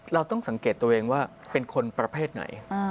เราต้องสังเกตตัวเองว่าเป็นคนประเภทไหน